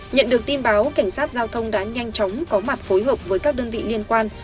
nhận được tin báo cảnh sát giao thông đã nhanh chóng có mặt phối hợp với các đơn vị liên quan